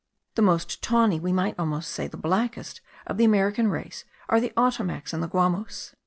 The most tawny, we might almost say the blackest of the American race, are the Otomacs and the Guamos.